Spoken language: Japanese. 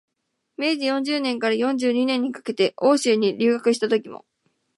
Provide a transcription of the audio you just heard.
明治四十年から四十二年にかけて欧州に留学したときも、